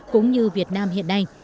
cũng như việt nam hiện nay